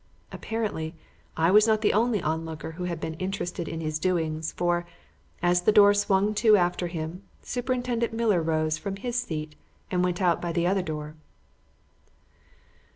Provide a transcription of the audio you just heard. Apparently, I was not the only onlooker who had been interested in his doings, for, as the door swung to after him, Superintendent Miller rose from his seat and went out by the other door.